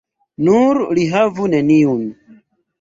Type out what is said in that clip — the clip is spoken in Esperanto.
Nur li havu neniun.